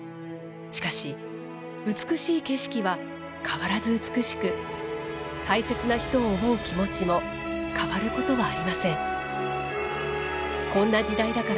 しかし、美しい景色は変わらず美しく大切な人を思う気持ちも変わることはありません。